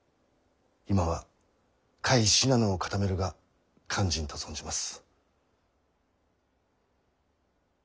今は甲斐信濃を固めるが肝心と存じます。